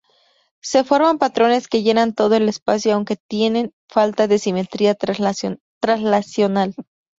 Se forman patrones que llenan todo el espacio aunque tienen falta de simetría traslacional.